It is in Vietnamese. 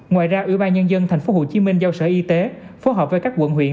ngoài ra ubnd tp hcm giao sở y tế phối hợp với các quận huyện